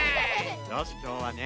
よしきょうはね